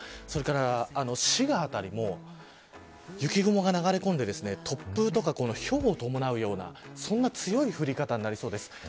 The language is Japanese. それから滋賀辺りも雪雲が流れ込んで突風とかひょうを伴うようなそんな強い降り方になりそうです。